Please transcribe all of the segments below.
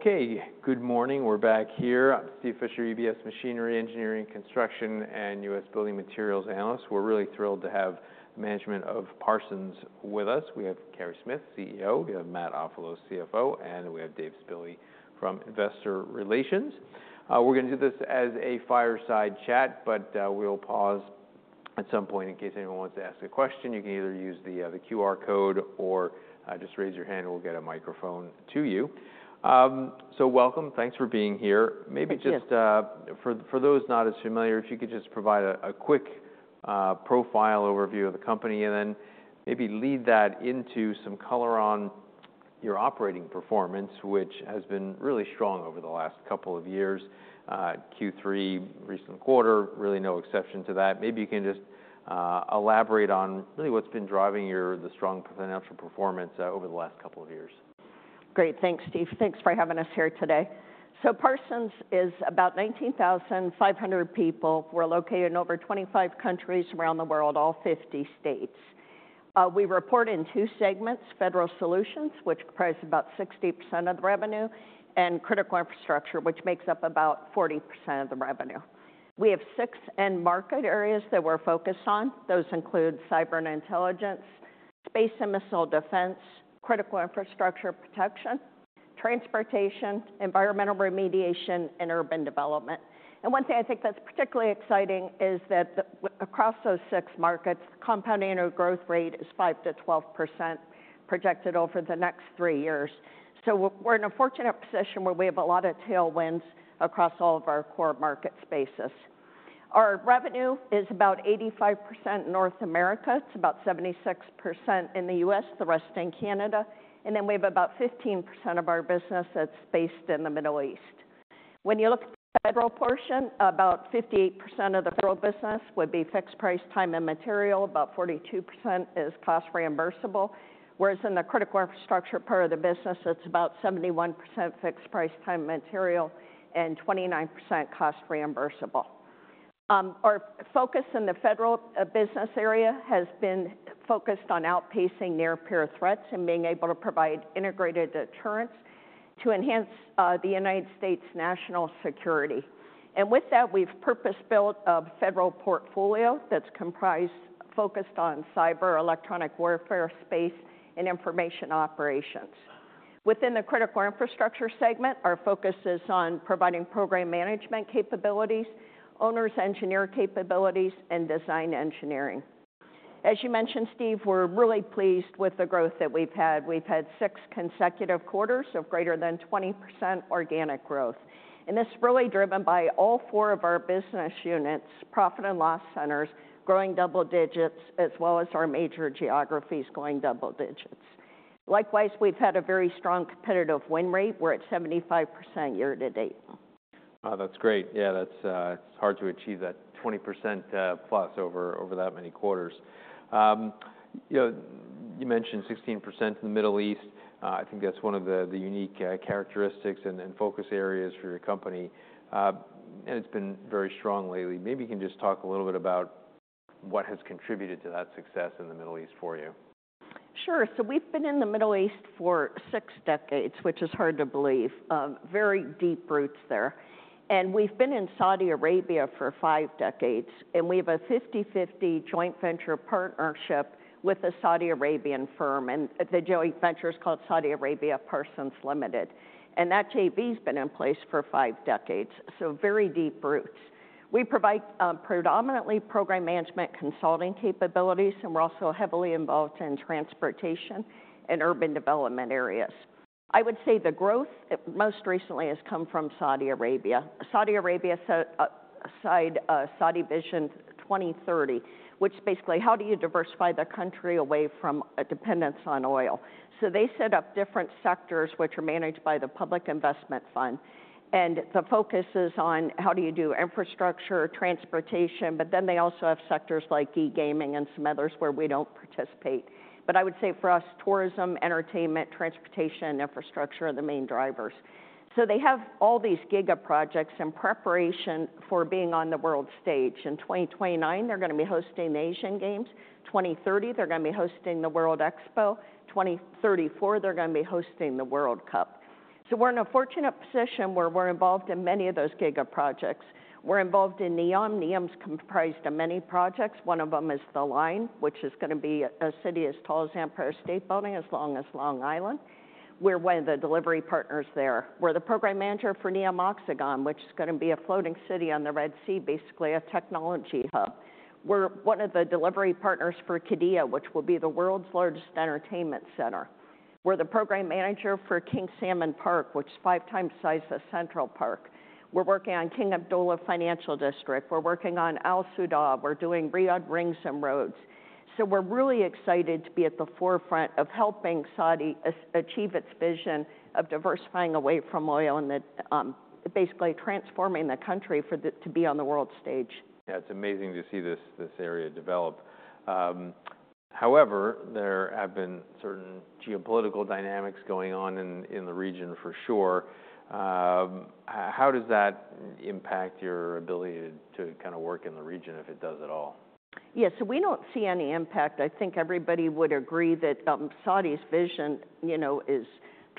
Okay. Good morning. We're back here. I'm Steve Fisher, UBS Machinery Engineering Construction and U.S. Building Materials Analyst. We're really thrilled to have the management of Parsons with us. We have Carey Smith, CEO. We have Matt Ofilos, CFO. And we have Dave Spille from Investor Relations. We're going to do this as a fireside chat, but we'll pause at some point in case anyone wants to ask a question. You can either use the QR code or just raise your hand, and we'll get a microphone to you. So welcome. Thanks for being here. Maybe just for those not as familiar, if you could just provide a quick profile overview of the company and then maybe lead that into some color on your operating performance, which has been really strong over the last couple of years. Q3, recent quarter, really no exception to that. Maybe you can just elaborate on really what's been driving your strong financial performance over the last couple of years? Great. Thanks, Steve. Thanks for having us here today. So Parsons is about 19,500 people. We're located in over 25 countries around the world, all 50 states. We report in two segments: Federal Solutions, which comprise about 60% of the revenue, and Critical Infrastructure, which makes up about 40% of the revenue. We have six end market areas that we're focused on. Those include cyber and intelligence, space and missile defense, Critical Infrastructure protection, transportation, environmental remediation, and urban development. And one thing I think that's particularly exciting is that across those six markets, the compounding growth rate is 5%-12% projected over the next three years. So we're in a fortunate position where we have a lot of tailwinds across all of our core market spaces. Our revenue is about 85% in North America. It's about 76% in the U.S., the rest in Canada. Then we have about 15% of our business that's based in the Middle East. When you look at the federal portion, about 58% of the federal business would be fixed price, time, and material. About 42% is cost reimbursable. Whereas in the Critical Infrastructure part of the business, it's about 71% fixed price, time, and material, and 29% cost reimbursable. Our focus in the federal business area has been focused on outpacing near-peer threats and being able to provide integrated deterrence to enhance the United States' national security. With that, we've purpose-built a federal portfolio that's focused on cyber, electronic warfare, space, and information operations. Within the Critical Infrastructure segment, our focus is on providing program management capabilities, owner's engineer capabilities, and design engineering. As you mentioned, Steve, we're really pleased with the growth that we've had. We've had six consecutive quarters of greater than 20% organic growth. This is really driven by all four of our business units, profit and loss centers growing double digits, as well as our major geographies going double digits. Likewise, we've had a very strong competitive win rate. We're at 75% year to date. Wow, that's great. Yeah, it's hard to achieve that 20% plus over that many quarters. You mentioned 16% in the Middle East. I think that's one of the unique characteristics and focus areas for your company, and it's been very strong lately. Maybe you can just talk a little bit about what has contributed to that success in the Middle East for you. Sure. So we've been in the Middle East for six decades, which is hard to believe. Very deep roots there, and we've been in Saudi Arabia for five decades. We have a 50/50 joint venture partnership with a Saudi Arabian firm, and the joint venture is called Saudi Arabia Parsons Limited. That JV has been in place for five decades, so very deep roots. We provide predominantly program management consulting capabilities, and we're also heavily involved in transportation and urban development areas. I would say the growth most recently has come from Saudi Arabia. Saudi Arabia signed Saudi Vision 2030, which basically is how do you diversify the country away from dependence on oil. They set up different sectors which are managed by the Public Investment Fund. The focus is on how do you do infrastructure, transportation, but then they also have sectors like e-gaming and some others where we don't participate. I would say for us, tourism, entertainment, transportation, and infrastructure are the main drivers. They have all these giga projects in preparation for being on the world stage. In 2029, they're going to be hosting the Asian Games. In 2030, they're going to be hosting the World Expo. In 2034, they're going to be hosting the World Cup. We're in a fortunate position where we're involved in many of those giga projects. We're involved in NEOM. NEOM is comprised of many projects. One of them is The Line, which is going to be a city as tall as Empire State Building, as long as Long Island. We're one of the delivery partners there. We're the program manager for NEOM Oxagon, which is going to be a floating city on the Red Sea, basically a technology hub. We're one of the delivery partners for Qiddiya, which will be the world's largest entertainment center. We're the program manager for King Salman Park, which is five times the size of Central Park. We're working on King Abdullah Financial District. We're working on Al Soudah. We're doing Riyadh Rings and Roads. So we're really excited to be at the forefront of helping Saudi achieve its vision of diversifying away from oil and basically transforming the country to be on the world stage. Yeah, it's amazing to see this area develop. However, there have been certain geopolitical dynamics going on in the region for sure. How does that impact your ability to kind of work in the region, if it does at all? Yeah, so we don't see any impact. I think everybody would agree that Saudi's vision is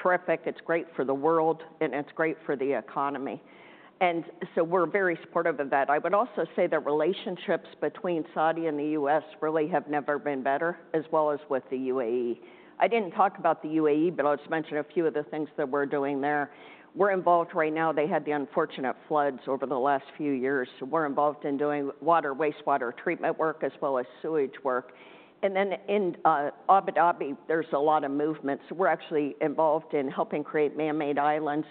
terrific. It's great for the world, and it's great for the economy, and so we're very supportive of that. I would also say the relationships between Saudi and the U.S. really have never been better, as well as with the UAE. I didn't talk about the UAE, but I'll just mention a few of the things that we're doing there. We're involved right now. They had the unfortunate floods over the last few years, so we're involved in doing wastewater treatment work, as well as sewage work, and then in Abu Dhabi, there's a lot of movement. So we're actually involved in helping create manmade islands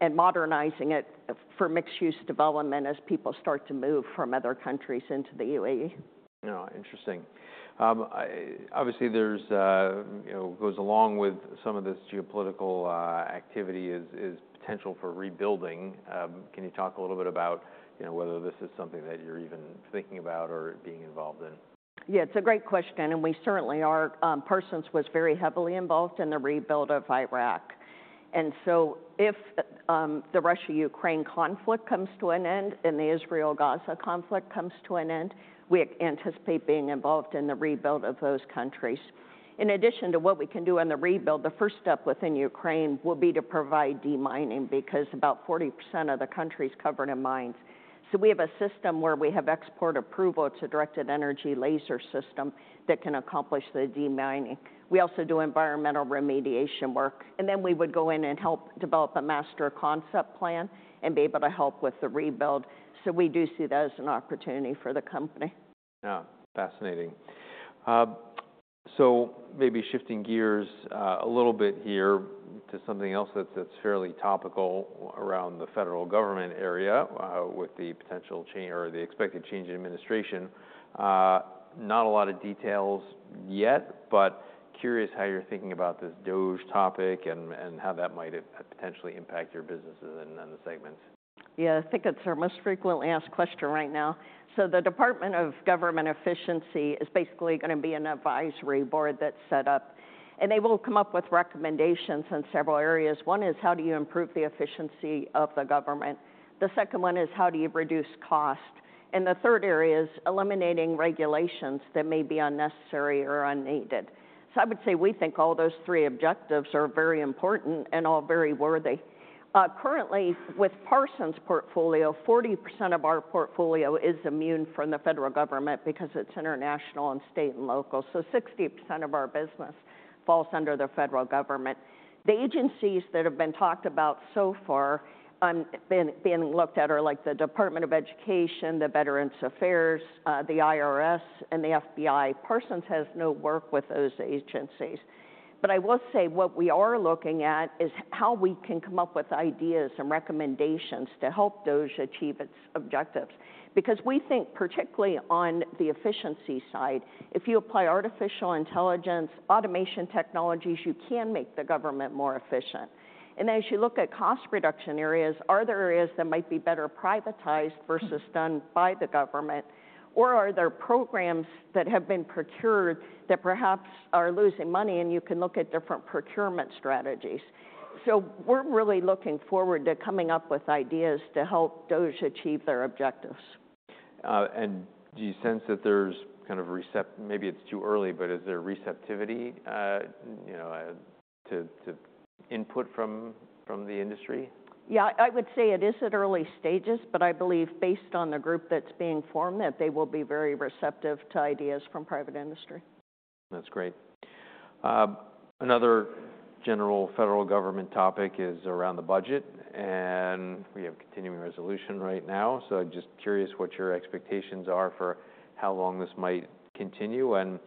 and modernizing it for mixed-use development as people start to move from other countries into the UAE. Interesting. Obviously, there's what goes along with some of this geopolitical activity, is potential for rebuilding. Can you talk a little bit about whether this is something that you're even thinking about or being involved in? Yeah, it's a great question. And we certainly are. Parsons was very heavily involved in the rebuild of Iraq. And so if the Russia-Ukraine conflict comes to an end and the Israel-Gaza conflict comes to an end, we anticipate being involved in the rebuild of those countries. In addition to what we can do on the rebuild, the first step within Ukraine will be to provide demining because about 40% of the country is covered in mines. So we have a system where we have export approval to Directed Energy Laser System that can accomplish the demining. We also do environmental remediation work. And then we would go in and help develop a master concept plan and be able to help with the rebuild. So we do see that as an opportunity for the company. Yeah, fascinating. So maybe shifting gears a little bit here to something else that's fairly topical around the federal government area with the potential or the expected change in administration. Not a lot of details yet, but curious how you're thinking about this DOGE topic and how that might potentially impact your businesses and the segments? Yeah, I think it's our most frequently asked question right now. So the Department of Government Efficiency is basically going to be an advisory board that's set up. And they will come up with recommendations in several areas. One is how do you improve the efficiency of the government? The second one is how do you reduce cost? And the third area is eliminating regulations that may be unnecessary or unneeded. So I would say we think all those three objectives are very important and all very worthy. Currently, with Parsons Portfolio, 40% of our portfolio is immune from the federal government because it's international and state and local. So 60% of our business falls under the federal government. The agencies that have been talked about so far being looked at are like the Department of Education, the Veterans Affairs, the IRS, and the FBI. Parsons has no work with those agencies. But I will say what we are looking at is how we can come up with ideas and recommendations to help DOGE achieve its objectives. Because we think, particularly on the efficiency side, if you apply artificial intelligence, automation technologies, you can make the government more efficient. And as you look at cost reduction areas, are there areas that might be better privatized versus done by the government? Or are there programs that have been procured that perhaps are losing money? And you can look at different procurement strategies. So we're really looking forward to coming up with ideas to help DOGE achieve their objectives. Do you sense that there's kind of a receptive maybe it's too early, but is there receptivity to input from the industry? Yeah, I would say it is at early stages, but I believe based on the group that's being formed, that they will be very receptive to ideas from private industry. That's great. Another general federal government topic is around the budget. And we have Continuing Resolution right now. So I'm just curious what your expectations are for how long this might continue and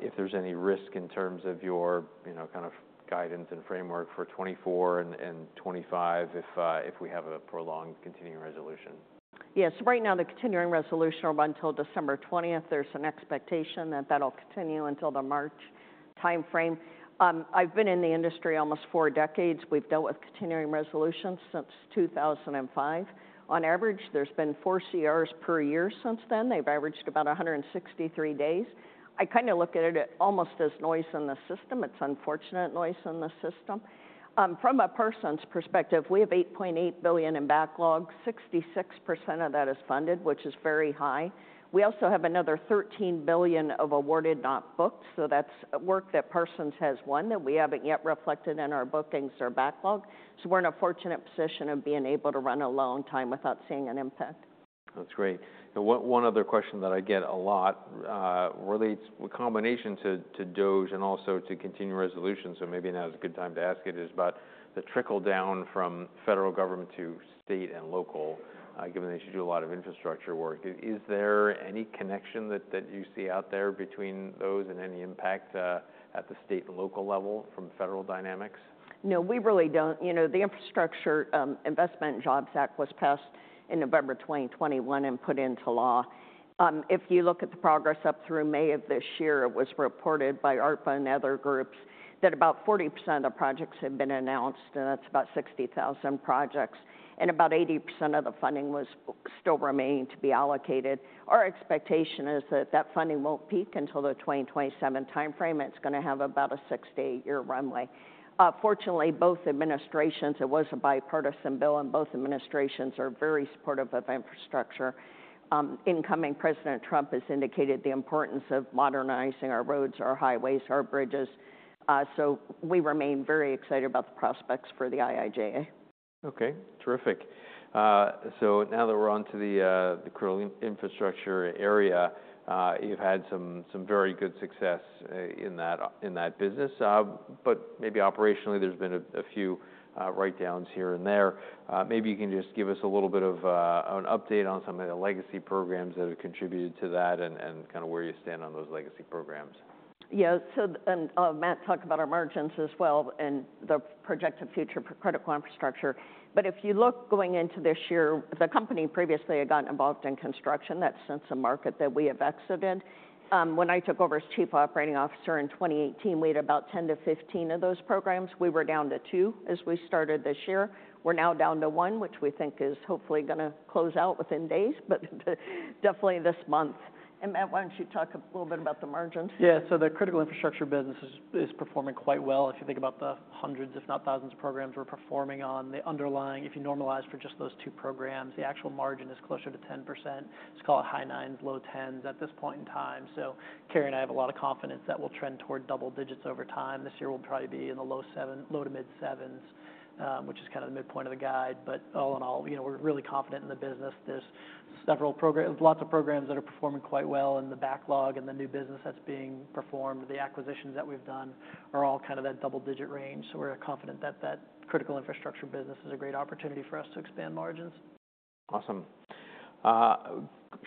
if there's any risk in terms of your kind of guidance and framework for 2024 and 2025 if we have a prolonged Continuing Resolution. Yes, right now the Continuing Resolution will run until December 20th. There's an expectation that that'll continue until the March timeframe. I've been in the industry almost four decades. We've dealt with Continuing Resolutions since 2005. On average, there's been four CRs per year since then. They've averaged about 163 days. I kind of look at it almost as noise in the system. It's unfortunate noise in the system. From a Parsons perspective, we have $8.8 billion in backlog. 66% of that is funded, which is very high. We also have another $13 billion of awarded not booked. So that's work that Parsons has won that we haven't yet reflected in our bookings or backlog. So we're in a fortunate position of being able to run a long time without seeing an impact. That's great. One other question that I get a lot relates in combination to DOGE and also to continuing resolutions, so maybe now is a good time to ask it, is about the trickle-down from federal government to state and local, given that you do a lot of infrastructure work. Is there any connection that you see out there between those and any impact at the state and local level from federal dynamics? No, we really don't. The Infrastructure Investment and Jobs Act was passed in November 2021 and put into law. If you look at the progress up through May of this year, it was reported by ARTBA and other groups that about 40% of the projects have been announced, and that's about 60,000 projects, and about 80% of the funding still remains to be allocated. Our expectation is that that funding won't peak until the 2027 timeframe. It's going to have about a six to eight-year runway. Fortunately, both administrations it was a bipartisan bill, and both administrations are very supportive of infrastructure. Incoming President Trump has indicated the importance of modernizing our roads, our highways, our bridges. So we remain very excited about the prospects for the IIJA. Okay, terrific. So now that we're on to the Critical Infrastructure area, you've had some very good success in that business. But maybe operationally, there's been a few write-downs here and there. Maybe you can just give us a little bit of an update on some of the legacy programs that have contributed to that and kind of where you stand on those legacy programs. Yeah, so Matt talked about our margins as well and the projected future for Critical Infrastructure. But if you look going into this year, the company previously had gotten involved in construction. That's a market that we have since exited. When I took over as Chief Operating Officer in 2018, we had about 10 to 15 of those programs. We were down to two as we started this year. We're now down to one, which we think is hopefully going to close out within days, but definitely this month. And Matt, why don't you talk a little bit about the margins? Yeah, so the Critical Infrastructure business is performing quite well. If you think about the hundreds, if not thousands, of programs we're performing on, the underlying, if you normalize for just those two programs, the actual margin is closer to 10%. Let's call it high nines, low tens at this point in time. So Carey and I have a lot of confidence that we'll trend toward double digits over time. This year will probably be in the low-to-mid sevens, which is kind of the midpoint of the guide. But all in all, we're really confident in the business. There's lots of programs that are performing quite well in the backlog and the new business that's being performed. The acquisitions that we've done are all kind of that double-digit range. So we're confident that that Critical Infrastructure business is a great opportunity for us to expand margins. Awesome.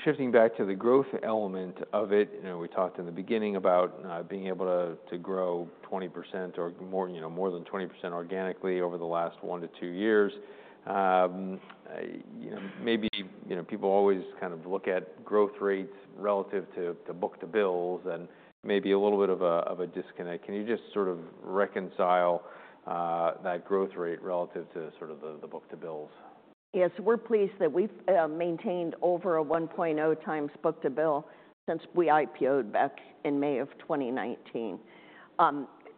Shifting back to the growth element of it, we talked in the beginning about being able to grow 20% or more than 20% organically over the last one to two years. Maybe people always kind of look at growth rates relative to book-to-bill and maybe a little bit of a disconnect. Can you just sort of reconcile that growth rate relative to sort of the book-to-bill? Yes, we're pleased that we've maintained over a 1.0 times book to bill since we IPO'd back in May of 2019.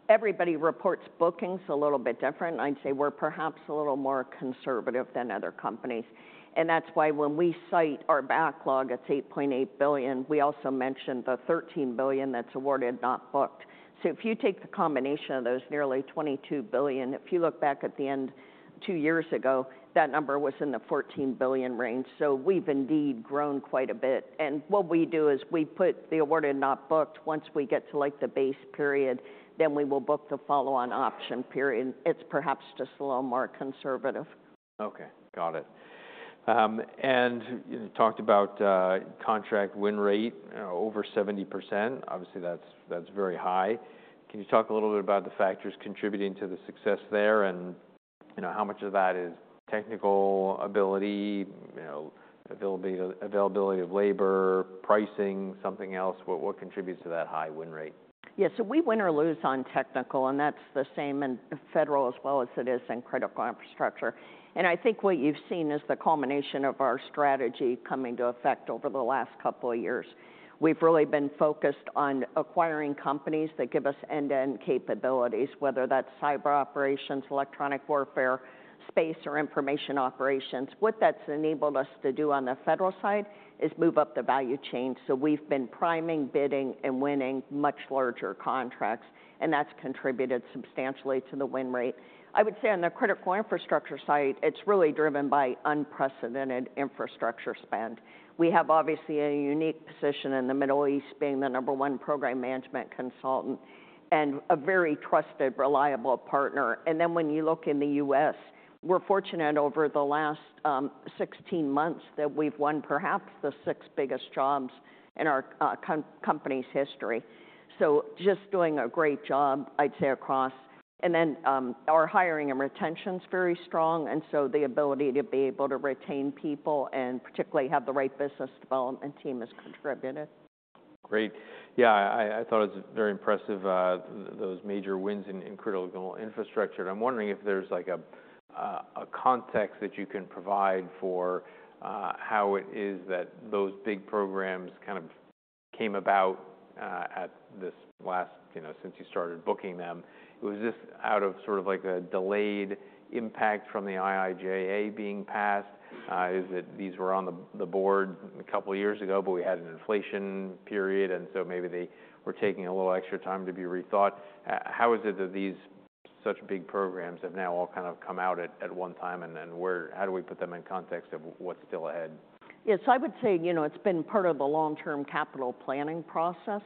Everybody reports bookings a little bit different. I'd say we're perhaps a little more conservative than other companies, and that's why when we cite our backlog, it's $8.8 billion. We also mentioned the $13 billion that's awarded not booked. So if you take the combination of those nearly $22 billion, if you look back at the end two years ago, that number was in the $14 billion range. So we've indeed grown quite a bit, and what we do is we put the awarded not booked. Once we get to like the base period, then we will book the follow-on option period. It's perhaps just a little more conservative. Okay, got it. And you talked about contract win rate over 70%. Obviously, that's very high. Can you talk a little bit about the factors contributing to the success there and how much of that is technical ability, availability of labor, pricing, something else? What contributes to that high win rate? Yeah, so we win or lose on technical, and that's the same in federal as well as it is in Critical Infrastructure, and I think what you've seen is the culmination of our strategy coming to effect over the last couple of years. We've really been focused on acquiring companies that give us end-to-end capabilities, whether that's cyber operations, electronic warfare, space, or information operations. What that's enabled us to do on the federal side is move up the value chain, so we've been priming, bidding, and winning much larger contracts, and that's contributed substantially to the win rate. I would say on the Critical Infrastructure side, it's really driven by unprecedented infrastructure spend. We have obviously a unique position in the Middle East being the number one program management consultant and a very trusted, reliable partner. And then when you look in the U.S., we're fortunate over the last 16 months that we've won perhaps the six biggest jobs in our company's history. So just doing a great job, I'd say, across. And then our hiring and retention is very strong. And so the ability to be able to retain people and particularly have the right business development team has contributed. Great. Yeah, I thought it was very impressive, those major wins in Critical Infrastructure. And I'm wondering if there's like a context that you can provide for how it is that those big programs kind of came about at this last since you started booking them. Was this out of sort of like a delayed impact from the IIJA being passed? Is it these were on the board a couple of years ago, but we had an inflation period, and so maybe they were taking a little extra time to be rethought? How is it that these such big programs have now all kind of come out at one time? And how do we put them in context of what's still ahead? Yeah, so I would say it's been part of the long-term capital planning process.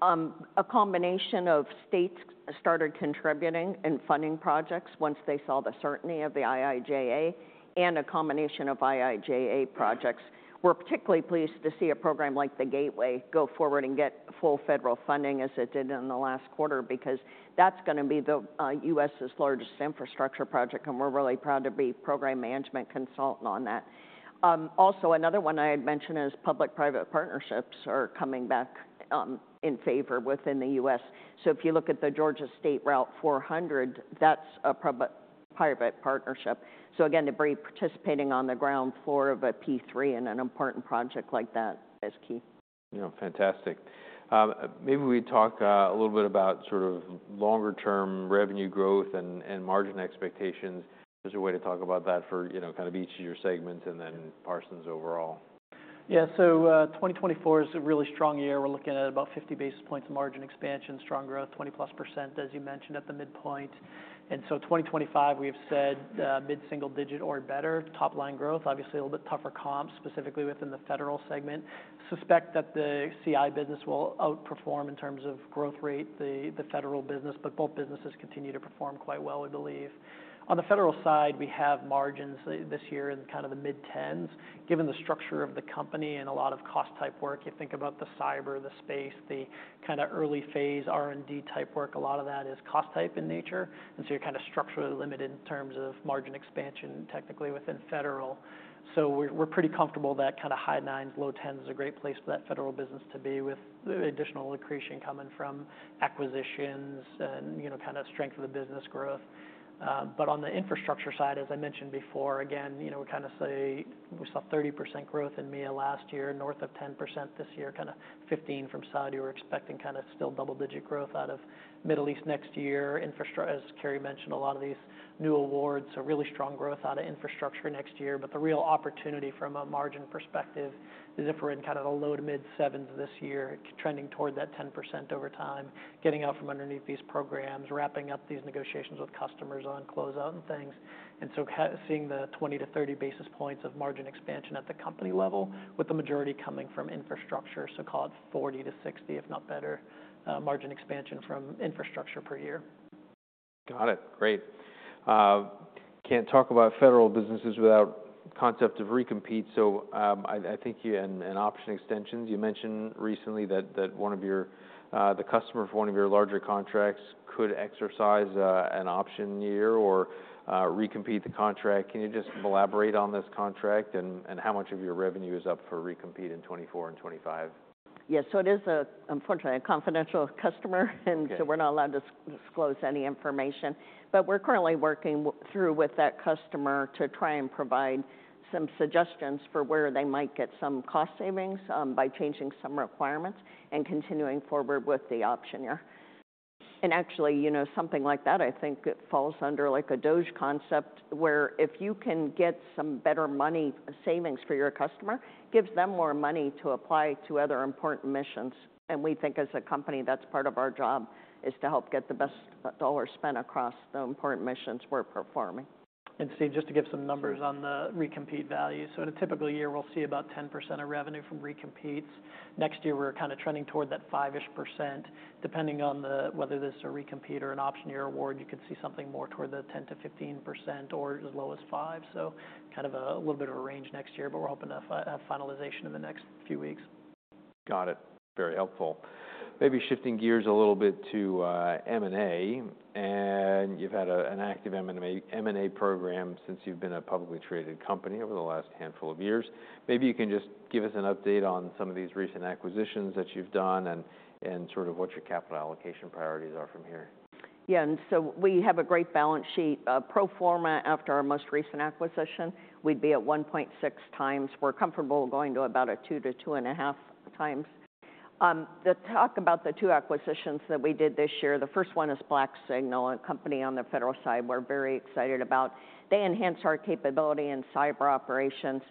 A combination of states started contributing and funding projects once they saw the certainty of the IIJA and a combination of IIJA projects. We're particularly pleased to see a program like the Gateway go forward and get full federal funding as it did in the last quarter because that's going to be the U.S.'s largest infrastructure project, and we're really proud to be program management consultant on that. Also, another one I had mentioned is public-private partnerships are coming back in favor within the U.S. So if you look at the Georgia State Route 400, that's a private partnership. So again, to be participating on the ground floor of a P3 and an important project like that is key. Fantastic. Maybe we talk a little bit about sort of longer-term revenue growth and margin expectations. There's a way to talk about that for kind of each of your segments and then Parsons overall. Yeah, so 2024 is a really strong year. We're looking at about 50 basis points of margin expansion, strong growth, 20+%, as you mentioned, at the midpoint. And so 2025, we have said mid-single digit or better, top-line growth, obviously a little bit tougher comps, specifically within the federal segment. Suspect that the CI business will outperform in terms of growth rate, the federal business, but both businesses continue to perform quite well, we believe. On the federal side, we have margins this year in kind of the mid-10s. Given the structure of the company and a lot of cost-type work, you think about the cyber, the space, the kind of early phase R&D type work, a lot of that is cost-type in nature. And so you're kind of structurally limited in terms of margin expansion technically within federal. So we're pretty comfortable that kind of high nines, low tens is a great place for that federal business to be with additional accretion coming from acquisitions and kind of strength of the business growth. But on the infrastructure side, as I mentioned before, again, we kind of say we saw 30% growth in May of last year, north of 10% this year, kind of 15% from Saudi. We're expecting kind of still double-digit growth out of the Middle East next year. As Carey mentioned, a lot of these new awards, so really strong growth out of infrastructure next year. But the real opportunity from a margin perspective is if we're in kind of the low to mid-sevens this year, trending toward that 10% over time, getting out from underneath these programs, wrapping up these negotiations with customers on closeout and things. And so seeing the 20-30 basis points of margin expansion at the company level, with the majority coming from infrastructure, so call it 40-60, if not better, margin expansion from infrastructure per year. Got it. Great. Can't talk about federal businesses without the concept of recompete. So I think an option extension, you mentioned recently that one of your customers for one of your larger contracts could exercise an option year or recompete the contract. Can you just elaborate on this contract and how much of your revenue is up for recompete in 2024 and 2025? Yes, so it is, unfortunately, a confidential customer, and so we're not allowed to disclose any information. But we're currently working through with that customer to try and provide some suggestions for where they might get some cost savings by changing some requirements and continuing forward with the option year. And actually, something like that, I think it falls under like a DOGE concept where if you can get some better money savings for your customer, it gives them more money to apply to other important missions. And we think as a company, that's part of our job is to help get the best dollar spent across the important missions we're performing. Steve, just to give some numbers on the recompete value. So in a typical year, we'll see about 10% of revenue from recompetes. Next year, we're kind of trending toward that 5%-ish. Depending on whether this is a recompete or an option year award, you could see something more toward the 10%-15% or as low as 5%. So kind of a little bit of a range next year, but we're hoping to have finalization in the next few weeks. Got it. Very helpful. Maybe shifting gears a little bit to M&A, and you've had an active M&A program since you've been a publicly traded company over the last handful of years. Maybe you can just give us an update on some of these recent acquisitions that you've done and sort of what your capital allocation priorities are from here. Yeah, and so we have a great balance sheet. Pro forma, after our most recent acquisition, we'd be at 1.6 times. We're comfortable going to about a two to two and a half times. The talk about the two acquisitions that we did this year, the first one is BlackSignal, a company on the federal side we're very excited about. They enhanced our capability in cyber operations.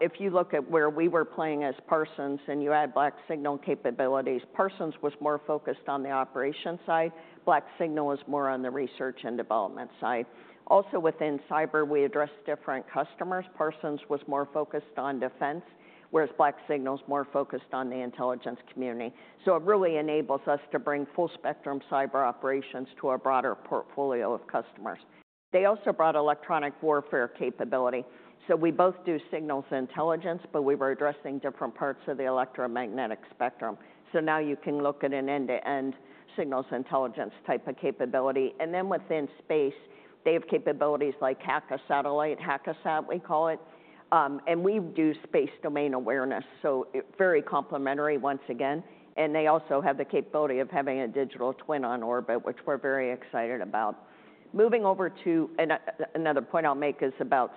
If you look at where we were playing as Parsons and you add BlackSignal capabilities, Parsons was more focused on the operation side. BlackSignal was more on the research and development side. Also within cyber, we addressed different customers. Parsons was more focused on defense, whereas BlackSignal is more focused on the intelligence community. So it really enables us to bring full spectrum cyber operations to a broader portfolio of customers. They also brought electronic warfare capability. We both do signals intelligence, but we were addressing different parts of the electromagnetic spectrum. So now you can look at an end-to-end signals intelligence type of capability. And then within space, they have capabilities like Hack-a-Sat, Hack-A-Sat, we call it. And we do space domain awareness. So very complementary once again. And they also have the capability of having a digital twin on orbit, which we're very excited about. Moving over to another point I'll make is about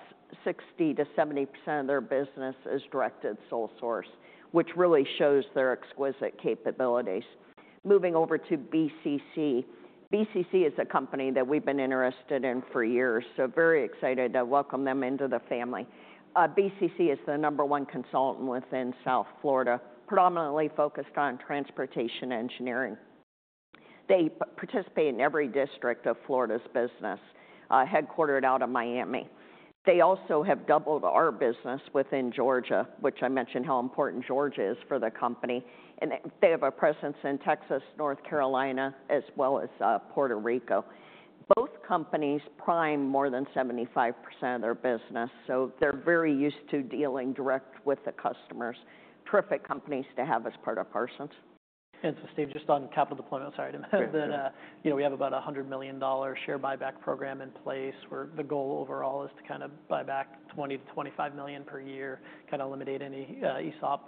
60%-70% of their business is directed sole source, which really shows their exquisite capabilities. Moving over to BCC. BCC is a company that we've been interested in for years. So very excited to welcome them into the family. BCC is the number one consultant within South Florida, predominantly focused on transportation engineering. They participate in every district of Florida's business, headquartered out of Miami. They also have doubled our business within Georgia, which I mentioned how important Georgia is for the company. And they have a presence in Texas, North Carolina, as well as Puerto Rico. Both companies prime more than 75% of their business. So they're very used to dealing direct with the customers. Terrific companies to have as part of Parsons. Steve, just on capital deployment, sorry to mess up, but we have about a $100 million share buyback program in place where the goal overall is to kind of buy back 20-25 million per year, kind of eliminate any ESOP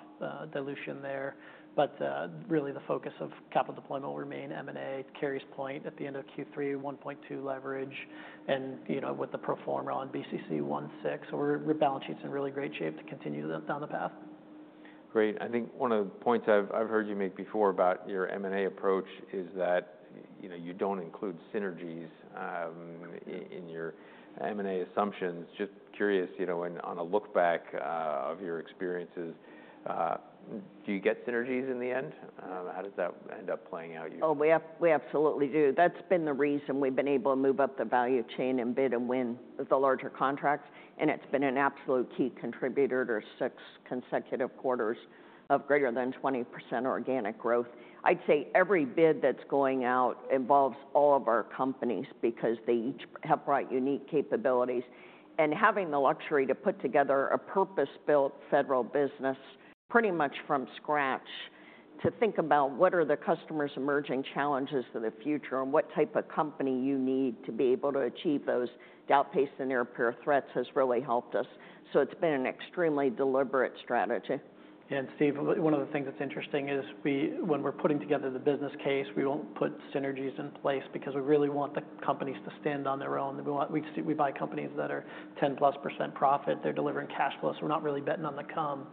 dilution there. But really the focus of capital deployment will remain M&A. Carey's point at the end of Q3, 1.2 leverage and with the pro forma on BCC 1.6. Our balance sheet's in really great shape to continue down the path. Great. I think one of the points I've heard you make before about your M&A approach is that you don't include synergies in your M&A assumptions. Just curious, on a look back of your experiences, do you get synergies in the end? How does that end up playing out? Oh, we absolutely do. That's been the reason we've been able to move up the value chain and bid and win the larger contracts. And it's been an absolute key contributor to six consecutive quarters of greater than 20% organic growth. I'd say every bid that's going out involves all of our companies because they each have brought unique capabilities. And having the luxury to put together a purpose-built federal business pretty much from scratch to think about what are the customer's emerging challenges for the future and what type of company you need to be able to achieve those day-to-day and near-peer threats has really helped us. So it's been an extremely deliberate strategy. And Steve, one of the things that's interesting is when we're putting together the business case, we won't put synergies in place because we really want the companies to stand on their own. We buy companies that are 10-plus%. They're delivering cash flows. We're not really betting on the come.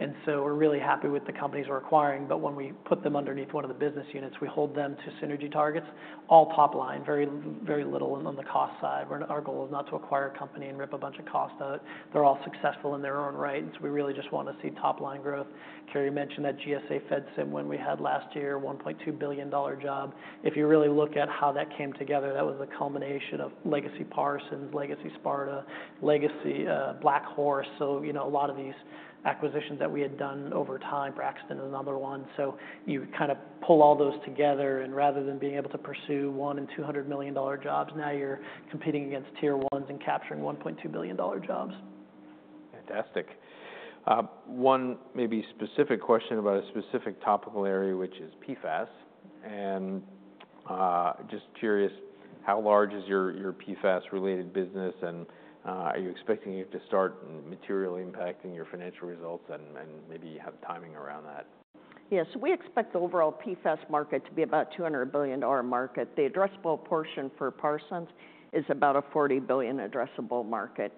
And so we're really happy with the companies we're acquiring. But when we put them underneath one of the business units, we hold them to synergy targets, all top line, very little on the cost side. Our goal is not to acquire a company and rip a bunch of cost out. They're all successful in their own right. And so we really just want to see top line growth. Carey mentioned that GSA FEDSIM when we had last year, $1.2 billion job. If you really look at how that came together, that was the culmination of legacy Parsons, legacy Sparta, legacy BlackHorse. So a lot of these acquisitions that we had done over time, Braxton is another one. So you kind of pull all those together. And rather than being able to pursue one and $200 million jobs, now you're competing against tier ones and capturing $1.2 billion jobs. Fantastic. One maybe specific question about a specific topical area, which is PFAS. And just curious, how large is your PFAS-related business? And are you expecting to start material impacting your financial results and maybe have timing around that? Yes, we expect the overall PFAS market to be about $200 billion market. The addressable portion for Parsons is about a $40 billion addressable market.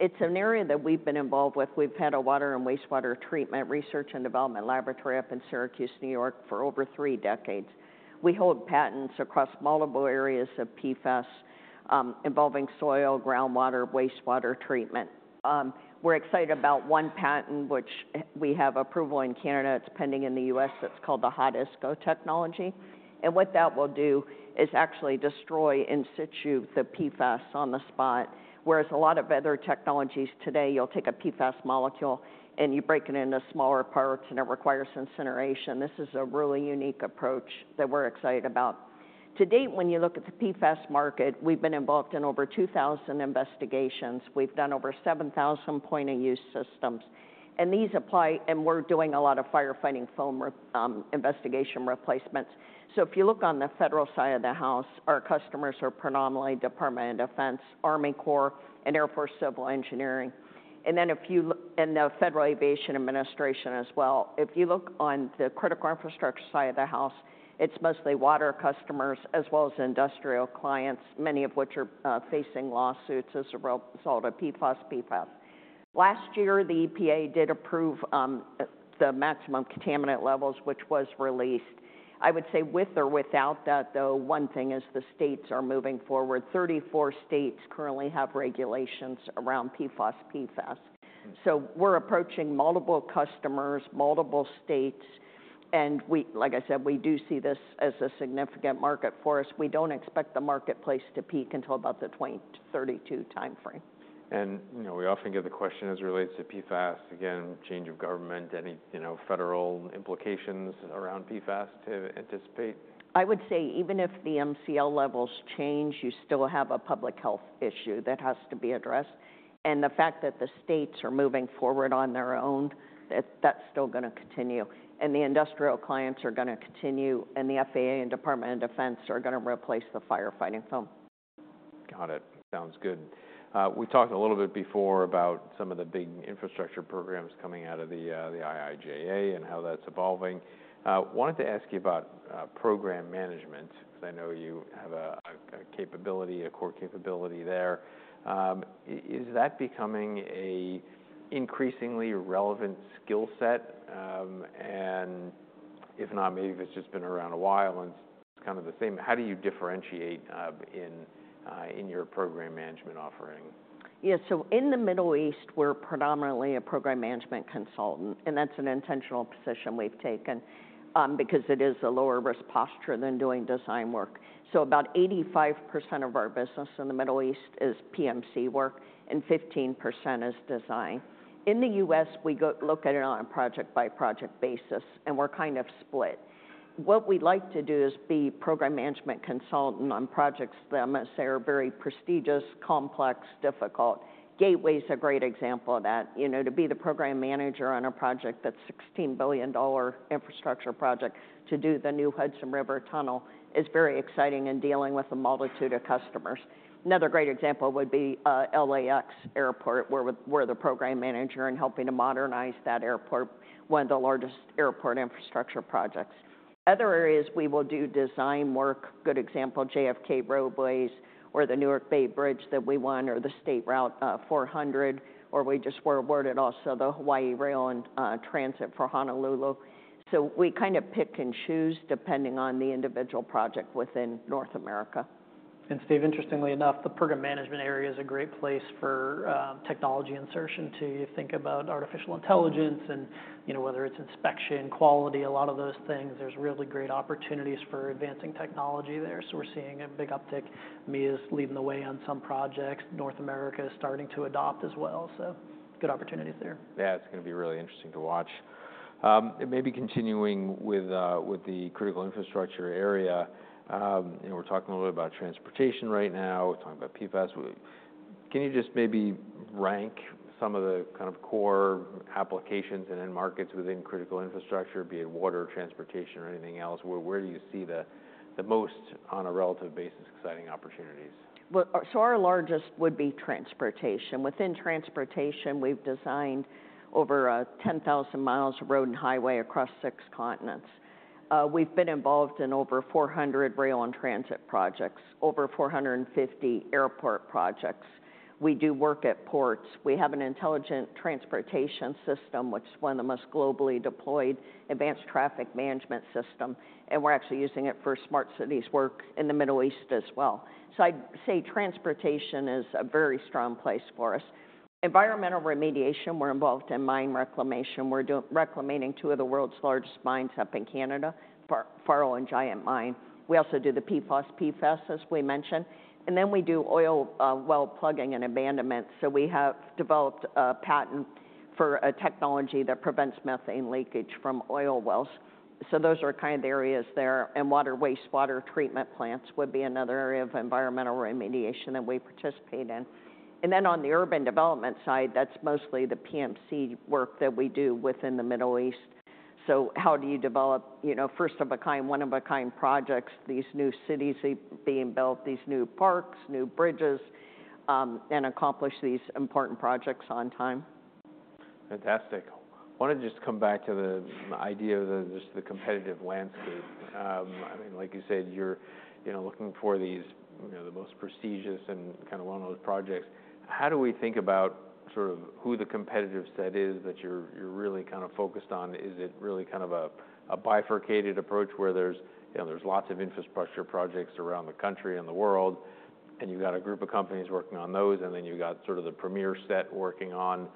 It's an area that we've been involved with. We've had a water and wastewater treatment research and development laboratory up in Syracuse, New York, for over three decades. We hold patents across multiple areas of PFAS involving soil, groundwater, wastewater treatment. We're excited about one patent, which we have approval in Canada. It's pending in the U.S. It's called the Hot-ISCO technology. And what that will do is actually destroy in situ the PFAS on the spot, whereas a lot of other technologies today, you'll take a PFAS molecule and you break it into smaller parts and it requires incineration. This is a really unique approach that we're excited about. To date, when you look at the PFAS market, we've been involved in over 2,000 investigations. We've done over 7,000 point-of-use systems, and we're doing a lot of firefighting foam investigation replacements, so if you look on the federal side of the house, our customers are predominantly Department of Defense, Army Corps, and Air Force Civil Engineering, and then in the Federal Aviation Administration as well. If you look on the Critical Infrastructure side of the house, it's mostly water customers as well as industrial clients, many of which are facing lawsuits as a result of PFAS. Last year, the EPA did approve the maximum contaminant levels, which was released. I would say with or without that, though, one thing is the states are moving forward, 34 states currently have regulations around PFAS, so we're approaching multiple customers, multiple states. Like I said, we do see this as a significant market for us. We don't expect the marketplace to peak until about the 2032 timeframe. We often get the question as it relates to PFAS, again, change of government, any federal implications around PFAS to anticipate? I would say even if the MCL levels change, you still have a public health issue that has to be addressed. And the fact that the states are moving forward on their own, that's still going to continue. And the industrial clients are going to continue. And the FAA and Department of Defense are going to replace the firefighting foam. Got it. Sounds good. We talked a little bit before about some of the big infrastructure programs coming out of the IIJA and how that's evolving. I wanted to ask you about program management because I know you have a capability, a core capability there. Is that becoming an increasingly relevant skill set? And if not, maybe if it's just been around a while and it's kind of the same, how do you differentiate in your program management offering? Yeah, so in the Middle East, we're predominantly a program management consultant. And that's an intentional position we've taken because it is a lower-risk posture than doing design work. So about 85% of our business in the Middle East is PMC work and 15% is design. In the U.S., we look at it on a project-by-project basis. And we're kind of split. What we'd like to do is be program management consultant on projects that, as I say, are very prestigious, complex, difficult. Gateway is a great example of that. To be the program manager on a project that's a $16 billion infrastructure project to do the new Hudson River Tunnel is very exciting and dealing with a multitude of customers. Another great example would be LAX Airport, where we're the program manager and helping to modernize that airport, one of the largest airport infrastructure projects. Other areas we will do design work, good example, JFK Roadways or the Newark Bay Bridge that we won or the State Route 400, or we just were awarded also the Hawaii Rail and Transit for Honolulu. So we kind of pick and choose depending on the individual project within North America. Steve, interestingly enough, the program management area is a great place for technology insertion too. You think about artificial intelligence and whether it's inspection, quality, a lot of those things. There's really great opportunities for advancing technology there. So we're seeing a big uptick. MEA is leading the way on some projects. North America is starting to adopt as well. So good opportunities there. Yeah, it's going to be really interesting to watch. And maybe continuing with the Critical Infrastructure area, we're talking a little bit about transportation right now. We're talking about PFAS. Can you just maybe rank some of the kind of core applications and markets within Critical Infrastructure, be it water, transportation, or anything else? Where do you see the most on a relative basis exciting opportunities? Our largest would be transportation. Within transportation, we've designed over 10,000 miles of road and highway across six continents. We've been involved in over 400 rail and transit projects, over 450 airport projects. We do work at ports. We have an intelligent transportation system, which is one of the most globally deployed advanced traffic management systems. And we're actually using it for smart cities work in the Middle East as well. I'd say transportation is a very strong place for us. Environmental remediation, we're involved in mine reclamation. We're reclaiming two of the world's largest mines up in Canada, Faro and Giant Mine. We also do the PFAS, as we mentioned. And then we do oil well plugging and abandonment. We have developed a patent for a technology that prevents methane leakage from oil wells. Those are kind of the areas there. Water wastewater treatment plants would be another area of environmental remediation that we participate in. Then on the urban development side, that's mostly the PMC work that we do within the Middle East. How do you develop first-of-a-kind, one-of-a-kind projects, these new cities being built, these new parks, new bridges, and accomplish these important projects on time? Fantastic. I wanted to just come back to the idea of just the competitive landscape. I mean, like you said, you're looking for the most prestigious and kind of one of those projects. How do we think about sort of who the competitive set is that you're really kind of focused on? Is it really kind of a bifurcated approach where there's lots of infrastructure projects around the country and the world, and you've got a group of companies working on those, and then you've got sort of the premier set working on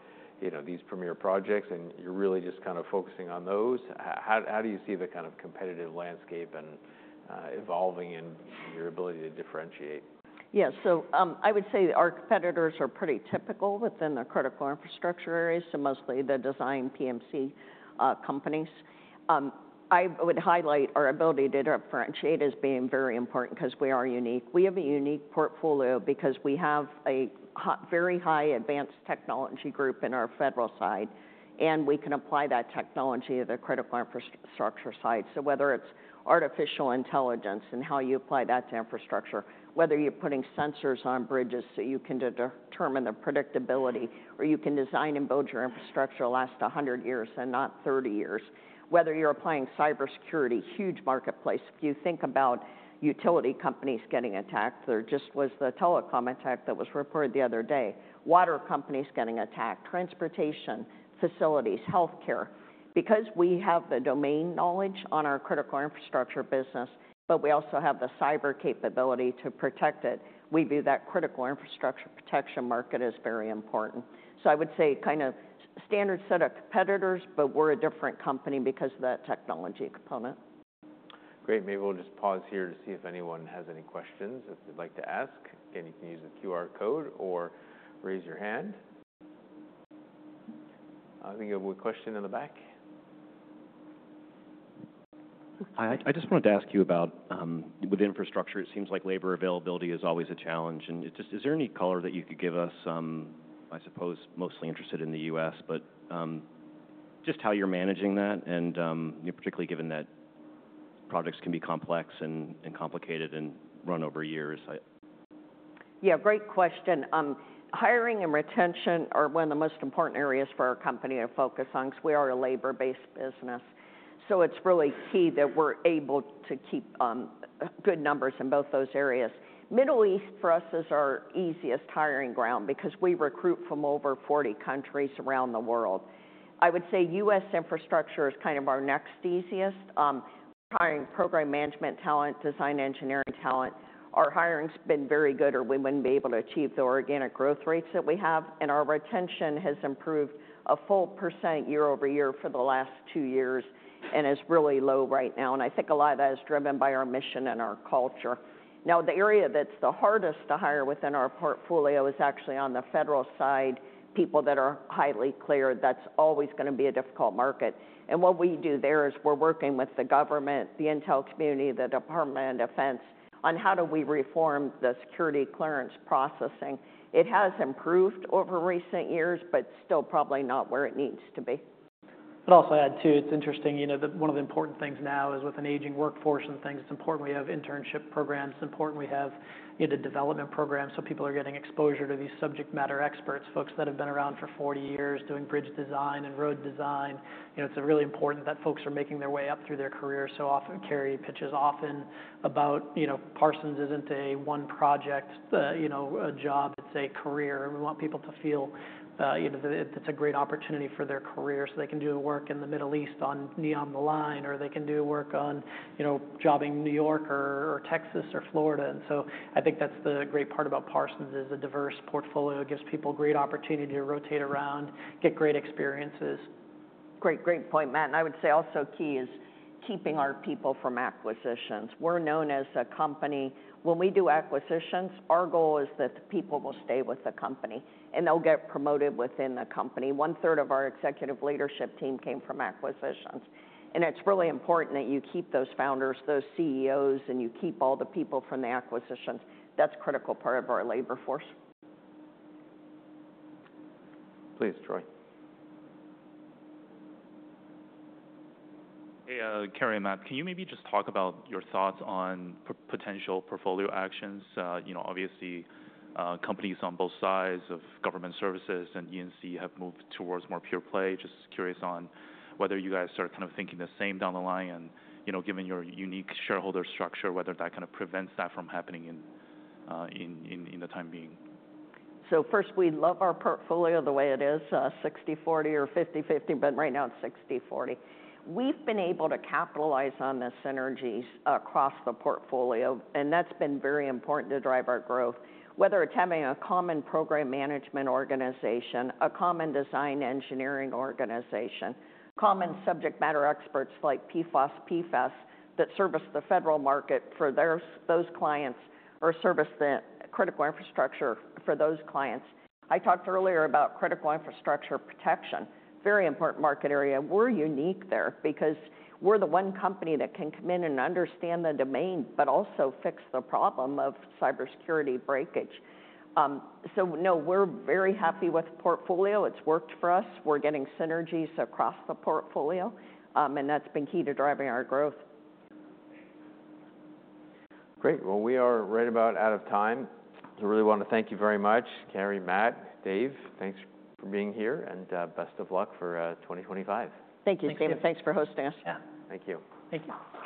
these premier projects, and you're really just kind of focusing on those? How do you see the kind of competitive landscape and evolving in your ability to differentiate? Yeah, so I would say our competitors are pretty typical within the Critical Infrastructure areas, so mostly the design PMC companies. I would highlight our ability to differentiate as being very important because we are unique. We have a unique portfolio because we have a very high advanced technology group in our federal side, and we can apply that technology to the Critical Infrastructure side. So whether it's artificial intelligence and how you apply that to infrastructure, whether you're putting sensors on bridges so you can determine the predictability, or you can design and build your infrastructure to last 100 years and not 30 years, whether you're applying cybersecurity, huge marketplace. If you think about utility companies getting attacked, there just was the telecom attack that was reported the other day, water companies getting attacked, transportation facilities, healthcare. Because we have the domain knowledge on our Critical Infrastructure business, but we also have the cyber capability to protect it, we view that Critical Infrastructure protection market as very important. So I would say kind of standard set of competitors, but we're a different company because of that technology component. Great. Maybe we'll just pause here to see if anyone has any questions that they'd like to ask. Again, you can use the QR code or raise your hand. I think we have a question in the back. Hi, I just wanted to ask you about with infrastructure, it seems like labor availability is always a challenge, and is there any color that you could give us, I suppose, mostly interested in the U.S., but just how you're managing that, and particularly given that projects can be complex and complicated and run over years? Yeah, great question. Hiring and retention are one of the most important areas for our company to focus on because we are a labor-based business. So it's really key that we're able to keep good numbers in both those areas. Middle East for us is our easiest hiring ground because we recruit from over 40 countries around the world. I would say U.S. infrastructure is kind of our next easiest. Hiring program management talent, design engineering talent, our hiring has been very good, or we wouldn't be able to achieve the organic growth rates that we have. And our retention has improved a full % year-over-year for the last two years and is really low right now. And I think a lot of that is driven by our mission and our culture. Now, the area that's the hardest to hire within our portfolio is actually on the federal side, people that are highly cleared. That's always going to be a difficult market. And what we do there is we're working with the government, the intel community, the Department of Defense on how do we reform the security clearance processing. It has improved over recent years, but still probably not where it needs to be. I'd also add too, it's interesting. One of the important things now is with an aging workforce and things. It's important we have internship programs. It's important we have the development program so people are getting exposure to these subject matter experts, folks that have been around for 40 years doing bridge design and road design. It's really important that folks are making their way up through their career. So often Carey pitches often about Parsons isn't a one-project job. It's a career. We want people to feel that it's a great opportunity for their career so they can do work in the Middle East on NEOM, The Line, or they can do work on JFK in New York or Texas or Florida. And so I think that's the great part about Parsons is a diverse portfolio. It gives people a great opportunity to rotate around, get great experiences. Great, great point, Matt. And I would say also key is keeping our people from acquisitions. We're known as a company. When we do acquisitions, our goal is that the people will stay with the company and they'll get promoted within the company. One-third of our executive leadership team came from acquisitions. And it's really important that you keep those founders, those CEOs, and you keep all the people from the acquisitions. That's a critical part of our labor force. Please, Troy. Hey, Carey and Matt. Can you maybe just talk about your thoughts on potential portfolio actions? Obviously, companies on both sides of government services and E&C have moved towards more pure play. Just curious on whether you guys are kind of thinking the same down the line and given your unique shareholder structure, whether that kind of prevents that from happening in the time being. So first, we love our portfolio the way it is, 60-40 or 50-50, but right now it's 60-40. We've been able to capitalize on the synergies across the portfolio, and that's been very important to drive our growth. Whether it's having a common program management organization, a common design engineering organization, common subject matter experts like PFAS that service the federal market for those clients or service the Critical Infrastructure for those clients. I talked earlier about Critical Infrastructure protection, very important market area. We're unique there because we're the one company that can come in and understand the domain, but also fix the problem of cybersecurity breakage. So no, we're very happy with the portfolio. It's worked for us. We're getting synergies across the portfolio, and that's been key to driving our growth. Great. Well, we are about out of time. So I really want to thank you very much, Carey, Matt, Dave. Thanks for being here, and best of luck for 2025. Thank you, Steve. And thanks for hosting us. Yeah, thank you. Thank you.